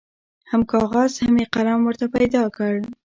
هم کاغذ هم یې قلم ورته پیدا کړ